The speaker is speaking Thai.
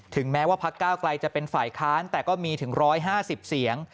แม้ว่าพักก้าวไกลจะเป็นฝ่ายค้านแต่ก็มีถึง๑๕๐เสียง